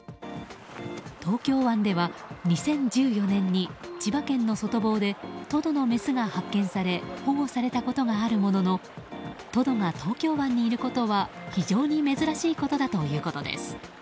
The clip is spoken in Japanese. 東京湾では２０１４年に千葉県の外房でトドのメスが発見され保護されたことがあるもののトドが東京湾にいることは非常に珍しいことだ